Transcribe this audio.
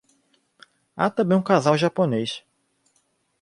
Há também um casal japonês